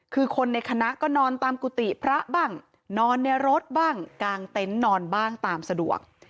คือคนในคณะก็นอนตามกุฏิพระบ้างนอนในรถบ้างกางเต็นต์นอนบ้างตามสะดวก